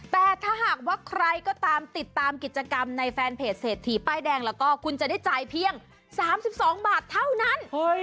แต่ถ้าหากว่าใครก็ตามติดตามกิจกรรมในแฟนเพจเศรษฐีป้ายแดงแล้วก็คุณจะได้จ่ายเพียง๓๒บาทเท่านั้น